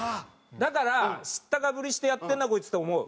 だから「知ったかぶりしてやってんなこいつ」と思う。